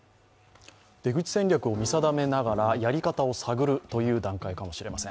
出口戦略を見定めながらやり方を探るという段階かもしれません。